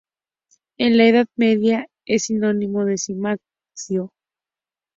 En la Edad Media es sinónimo de cimacio.